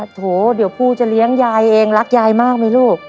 โถเดี๋ยวปูจะเลี้ยงยายเองรักยายมากไหมลูก